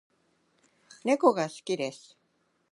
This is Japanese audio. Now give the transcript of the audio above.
猫が好きです